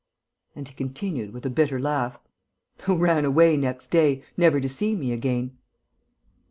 And he continued, with a bitter laugh, "Who ran away next day, never to see me again."